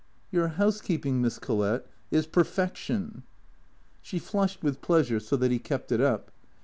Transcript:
"Your housekeeping, Miss Collett, is perfection." She flushed with pleasure, so that he kept it up.